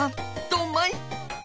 どんまい！